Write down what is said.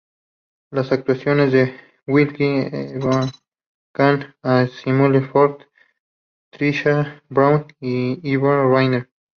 Las actuaciones de Wilke evocan a Simone Forti, Trisha Brown e Yvonne Rainer.